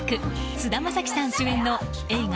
菅田将暉さん主演の映画